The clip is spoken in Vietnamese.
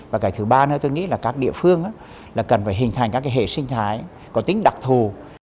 và cái thứ ba nữa tôi nghĩ là các địa phương là cần phải hình thành các cái hệ sinh thái có tính đặc thù